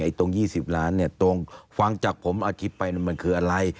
ตรง๒๐ล้านเนี่ยตรงฟังจากผมอาทิตย์ไปมันคืออะไร